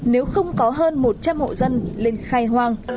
nếu không có hơn một trăm linh hộ dân lên khai hoang